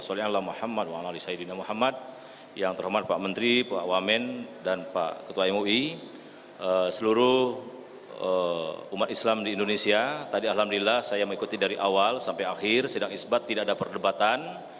saya ingin mengucapkan kepada semua umat islam di indonesia tadi alhamdulillah saya mengikuti dari awal sampai akhir sedang isbat tidak ada perdebatan